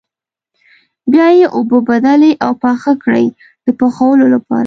بیا یې اوبه بدلې او پاخه کړئ د پخولو لپاره.